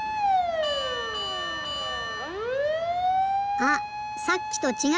あっさっきとちがう。